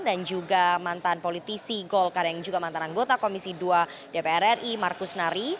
dan juga mantan politisi golkar yang juga mantan anggota komisi dua dpr ri markus nari